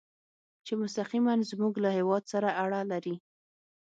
چې مستقیماً زموږ له هېواد سره اړه لري.